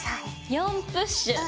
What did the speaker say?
４プッシュ。